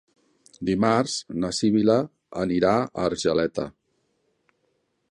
Dimarts na Sibil·la anirà a Argeleta.